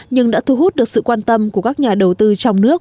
nhưng đã thu hút được sự quan tâm của các nhà đầu tư trong nước